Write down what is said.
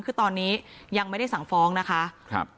คือตอนนี้ยังไม่ได้สั่งฟ้องนะคะ